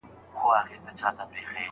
کېدای سي استاد د مقالې ځیني برخي حذف کړي.